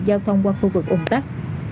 giao thông qua khu vực ủng tắc